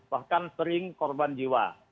bahkan sering korban jiwa